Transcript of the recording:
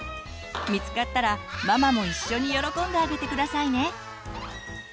見つかったらママも一緒に喜んであげて下さいね。